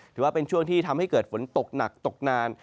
ถือว่าเป็นช่วงที่ทำให้เกิดฝนตกหนักตกนาน